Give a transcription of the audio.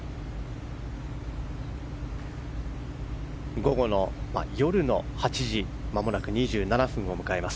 午後の、夜の８時まもなく２７分を迎えます。